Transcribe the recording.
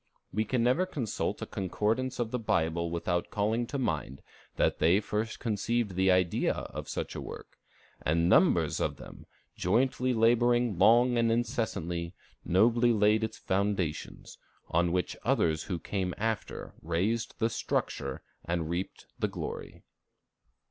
We can never consult a concordance of the Bible without calling to mind that they first conceived the idea of such a work, and numbers of them, jointly laboring long and incessantly, nobly laid its foundations, on which others who came after raised the structure and reaped the glory.